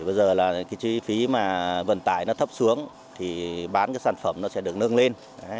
bây giờ là chi phí vận tải thấp xuống thì bán sản phẩm sẽ được nâng lên